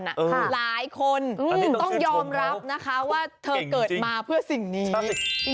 หลายคนต้องยอมรับนะคะว่าเธอเกิดมาเพื่อสิ่งนี้